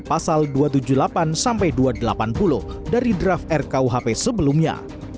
pasal dua ratus tujuh puluh delapan sampai dua ratus delapan puluh dari draft rkuhp sebelumnya